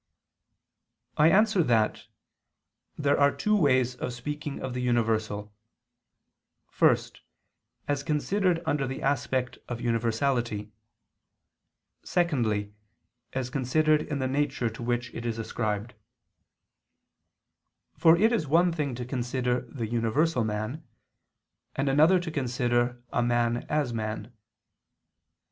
I answer that, There are two ways of speaking of the universal: first, as considered under the aspect of universality; secondly, as considered in the nature to which it is ascribed: for it is one thing to consider the universal man, and another to consider a man as man.